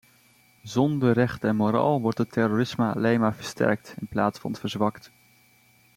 Zonder recht en moraal wordt het terrorisme alleen maar versterkt, in plaats van verzwakt.